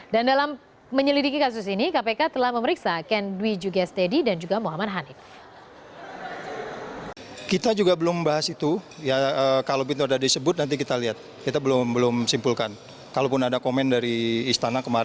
dan dalam menyelidiki kasus ini kpk telah memeriksa ken dwi jugestedi dan juga muhammad hanif